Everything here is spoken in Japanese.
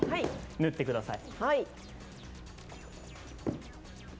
塗ってください。